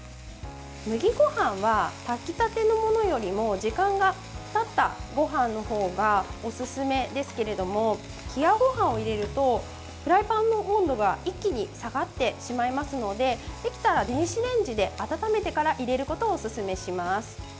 麦ごはんは炊きたてのものよりも時間がたったごはんの方がおすすめですけれども冷やごはんを入れるとフライパンの温度が一気に下がってしまいますのでできたら電子レンジで温めてから入れることをおすすめします。